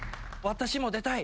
私も出たい。